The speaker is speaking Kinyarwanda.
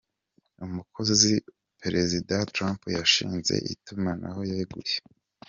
Umukozi Perezida Trump yashinze itumunaho yeguye .